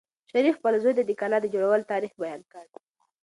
شریف خپل زوی ته د کلا د جوړولو تاریخ بیان کړ.